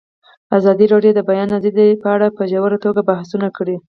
ازادي راډیو د د بیان آزادي په اړه په ژوره توګه بحثونه کړي.